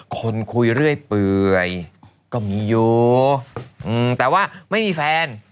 คนคุยเรื่อยเปื่อยก็มีอยู่แต่ว่าไม่มีแฟน